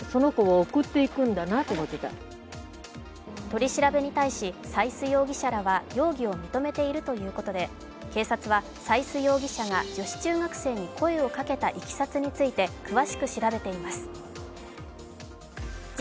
取り調べに対し、斉須容疑者らは容疑を認めているということで警察は斉須容疑者が女子中学生に声をかけたいきさつについて、詳しく調べています。